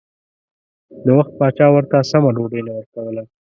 د وخت پاچا ورته سمه ډوډۍ نه ورکوله.